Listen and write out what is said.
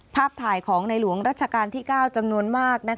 ภาพถ่ายของในหลวงรัชกาลที่๙จำนวนมาก